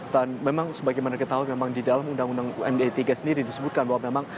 dan memang sebagaimana kita tahu memang di dalam undang undang mda iii sendiri disebutkan bahwa memang